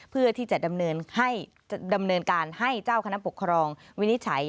เพื่อที่จะดำเนินการให้เจ้าคณะปกครองวินิจฉัย